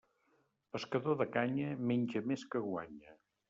Pescador de canya, menja més que guanya.